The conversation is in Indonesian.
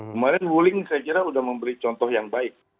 kemarin wuling saya kira sudah memberi contoh yang baik